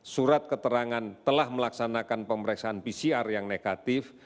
surat keterangan telah melaksanakan pemeriksaan pcr yang negatif